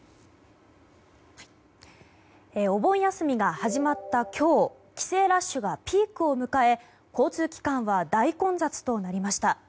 お盆休みが始まった今日帰省ラッシュがピークを迎え交通機関は大混雑となりました。